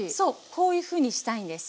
こういうふうにしたいんです。